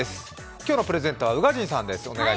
今日のプレゼンターは宇賀神さんです。